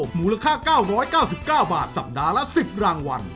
หมูราคาเก้าร้อยเก้าสิบเก้าบาทสัปดาห์ละสิบรางวัล